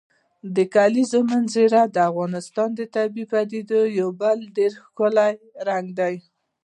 د کلیزو منظره د افغانستان د طبیعي پدیدو یو بل ډېر ښکلی رنګ دی.